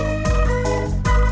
tete aku mau